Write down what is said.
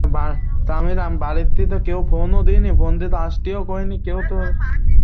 যাঁরা প্রতিবন্ধী ব্যক্তিদের নিয়োগ করেছেন, তাঁরা সবাই বলেছেন এঁরা ভালো কাজ করেন।